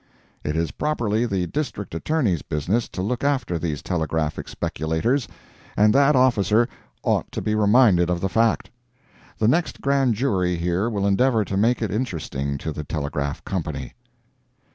It is properly the District Attorney's business to look after these telegraphic speculators, and that officer ought to be reminded of the fact. The next Grand Jury here will endeavor to make it interesting to the Telegraph Company.